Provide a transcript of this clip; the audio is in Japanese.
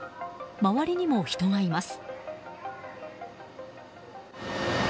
周りにも人がいます。